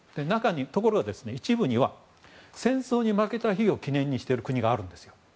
ところが一部には戦争に負けた日を記念にしている国があるんですよ。